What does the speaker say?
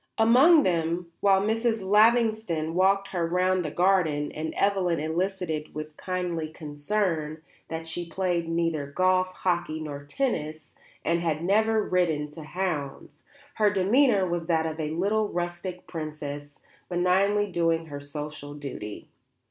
Among them, while Mrs. Lavington walked her round the garden and Evelyn elicited with kindly concern that she played neither golf, hockey nor tennis, and had never ridden to hounds, her demeanour was that of a little rustic princess benignly doing her social duty.